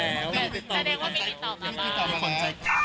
แสดงว่ามีที่ตอบมาบ้าง